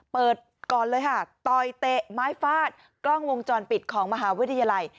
เปิดก่อนเลยค่ะต่อยเตะไม้ฟาดกล้องวงจรปิดของมหาวิทยาลัย